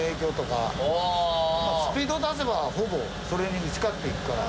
スピード出せばほぼそれに打ち勝っていくから。